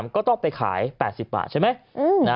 ก็ต้องไปขาย๘๐บาทใช่ไหม